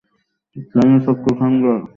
তাই না, ছোট্ট থান্ডার?